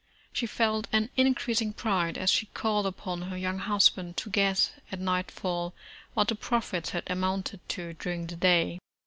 She felt an increasing pride, as she called upon her young husband to guess at nightfall what the profits had amounted to during the day.